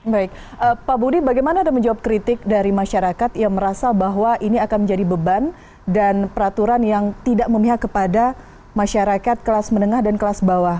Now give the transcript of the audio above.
baik pak budi bagaimana anda menjawab kritik dari masyarakat yang merasa bahwa ini akan menjadi beban dan peraturan yang tidak memihak kepada masyarakat kelas menengah dan kelas bawah